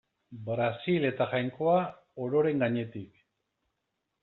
Brasil eta Jainkoa ororen gainetik.